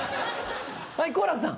はい好楽さん。